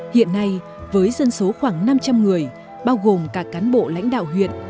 hiện nay với dân số khoảng năm trăm linh người bao gồm cả cán bộ lãnh đạo huyện